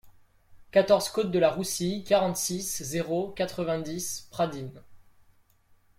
quatorze côte de la Roussille, quarante-six, zéro quatre-vingt-dix, Pradines